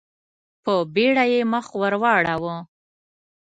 په بېړه يې مخ ور واړاوه.